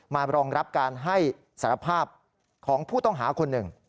รองรับการให้สารภาพของผู้ต้องหาคนหนึ่ง